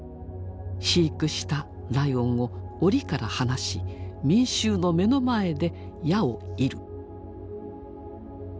飼育したライオンを檻から放し民衆の目の前で矢を射る。